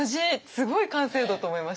すごい完成度と思いました。